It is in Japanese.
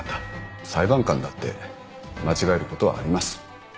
裁判官だって間違えることはあります。